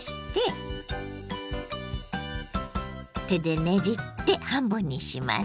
手でねじって半分にします。